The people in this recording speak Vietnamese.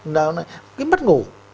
cái mất ngủ